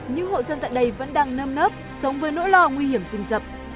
những hội dân tại đây vẫn đang nơm nớp sống với nỗi lo nguy hiểm rình rập